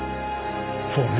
そうね